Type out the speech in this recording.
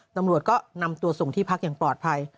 ตำรวจก็นำตัวส่งที่พักอย่างปลอดภัย